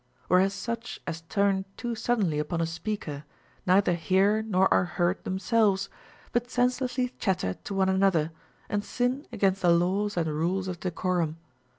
Whereas such as turn too suddenly upon a speaker neither hear nor are heard themselves, but senselessly chatter to one another, and sin against the laws and rules of decorum.